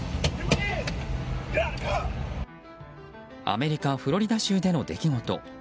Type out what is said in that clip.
アメリカ・フロリダ州での出来事。